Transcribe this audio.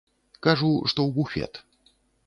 Кажу, што ў буфет.